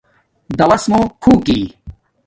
داݸس مُو گُھوکی